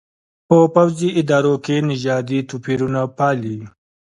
په پوځي ادارو کې نژادي توپېرونه پالي.